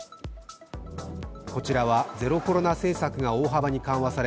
こちらはゼロコロナ政策が大幅に緩和され